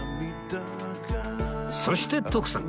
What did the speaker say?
そして徳さん